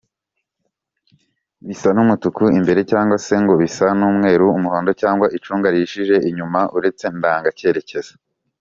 bisa n’umutuku imbere cg se ngo bisa n’umweru Umuhondo cg icunga rihishije inyuma uretse ndanga cyerekezo